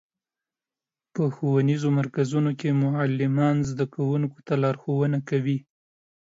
په ښوونیزو مرکزونو کې معلمان زدهکوونکو ته لارښوونه کوي.